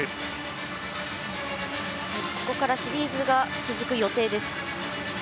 ここからシリーズが続く予定。